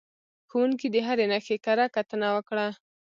ښوونکي د هرې نښې کره کتنه وکړه.